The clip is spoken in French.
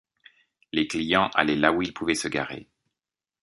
Les clients allaient là où ils pouvaient se garer.